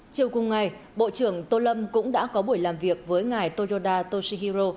chiều cùng ngày bộ trưởng tô lâm cũng đã có buổi làm việc với ngài toyoda toshihiro